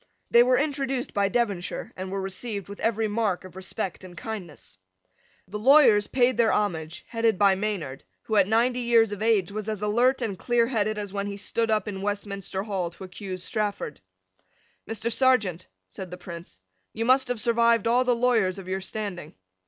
They were introduced by Devonshire, and were received with every mark of respect and kindness. The lawyers paid their homage, headed by Maynard, who, at ninety years of age, was as alert and clearheaded as when he stood up in Westminster Hall to accuse Strafford. "Mr. Serjeant," said the Prince, "you must have survived all the lawyers of your standing."